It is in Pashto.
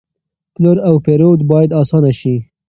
پلور او پېرود باید آسانه شي.